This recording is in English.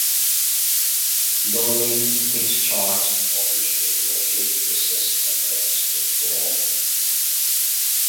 Laureline takes charge and orders the war-fleet to assist in Earth's withdrawal.